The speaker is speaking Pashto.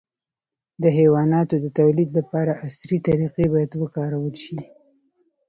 د حیواناتو د تولید لپاره عصري طریقې باید وکارول شي.